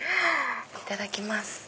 いただきます。